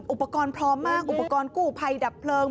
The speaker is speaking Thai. อุปกรณ์พร้อมมากอุปกรณ์กู้ภัยดับเพลิง